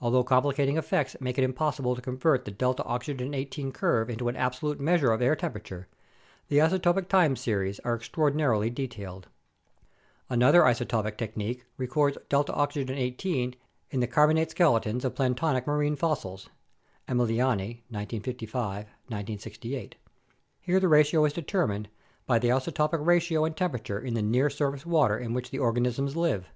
Although complicating effects make it impossible to convert the 8 ls O curve into an absolute measure of air temperature, the isotopic time series are extraordinarily detailed. Another isotopic technique records 8 ls O in the carbonate skeletons of planktonic marine fossils (Emiliani, 1955, 1968). Here the ratio is determined by the isotopic ratio and temperature in the near surface water in which the organisms live.